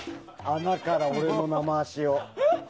穴から俺の生足を。